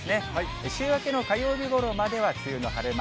週明けの火曜日ごろまでは梅雨の晴れ間。